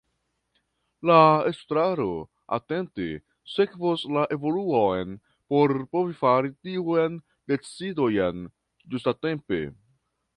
La Estraro atente sekvos la evoluon por povi fari tiujn decidojn ĝustatempe.